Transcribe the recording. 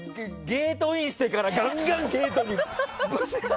ゲートインしてからガンガン、ゲートに。